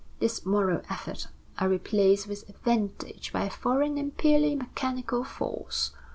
This moral effort, I replace with advantage by a foreign and purely mechanical force.